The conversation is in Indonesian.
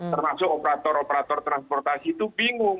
termasuk operator operator transportasi itu bingung